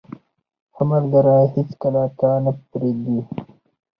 • ښه ملګری هیڅکله تا نه پرېږدي.